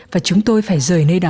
và chúng tôi phải rời nơi đó